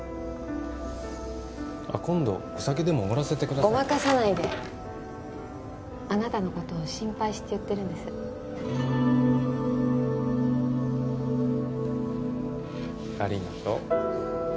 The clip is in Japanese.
あっ今度お酒でもおごらせてごまかさないであなたのことを心配して言ってるんですありがとう